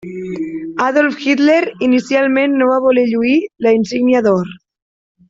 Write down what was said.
Adolf Hitler inicialment no va voler lluir la Insígnia d'Or.